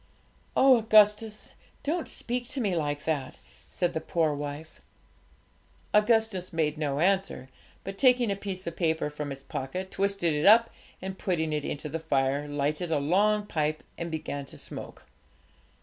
'Oh, Augustus, don't speak to me like that!' said the poor wife. Augustus made no answer, but, taking a piece of paper from his pocket, twisted it up, and, putting it into the fire, lighted a long pipe and began to smoke.